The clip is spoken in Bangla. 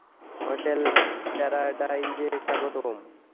হোটেল প্যারাডাইজে স্বাগতম।